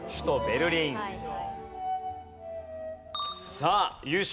さあ優勝